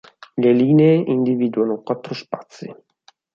Le linee individuano quattro spazi.